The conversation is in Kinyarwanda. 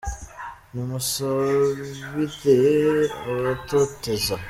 Nimusabire abatoteza